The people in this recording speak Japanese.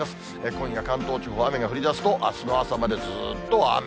今夜、関東地方は雨が降りだすと、あすの朝までずーっと雨。